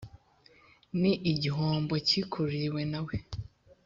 ni igihombo cyikururiwe na we